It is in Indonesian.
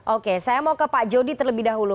oke saya mau ke pak jody terlebih dahulu